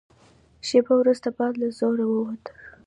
شېبه وروسته باد له زوره ووت.